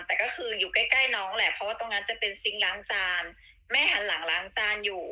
แต่ในวีดีโออาจจะไม่เห็นแม่กำลังล้างจาน